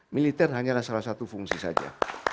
militer hanyalah salah satu fungsi saja